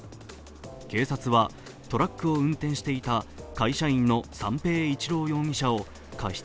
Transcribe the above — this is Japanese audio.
警察はトラックを運転していた会社員の三瓶一郎容疑者を過失